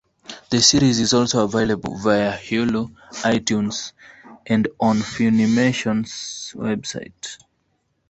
The series is also available via Hulu, iTunes, and on Funimation's website.